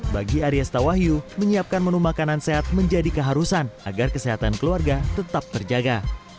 bagi arya stawahyu menyiapkan menu makanan sehat menjadi keharusan agar kesehatan keluarga tetap terjaga